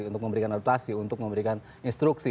untuk memberikan adaptasi untuk memberikan instruksi